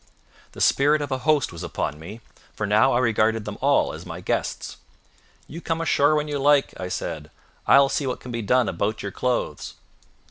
The spirit of a host was upon me, for now I regarded them all as my guests. "You come ashore when you like," I said; "I will see what can be done about your clothes."